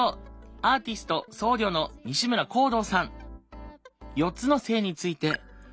アーティスト僧侶の西村宏堂さん。